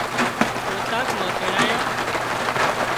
اوطاق مان تيڙايا